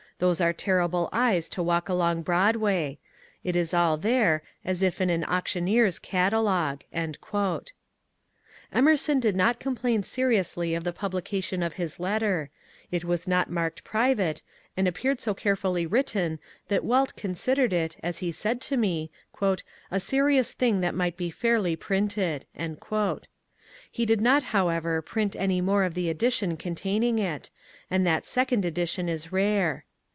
Those are terrible eyes to walk along Broadway. It is all there, as if in an auctioneer's catalogue." Emerson did not complain seriously of the publication of his letter ; it was not marked private, and appeared so care fully written that Walt considered it, as he said to me, ^^ a serious thing that might be fairly printed." He did not, how ever, print any more of the edition containing it, and that second edition is rare.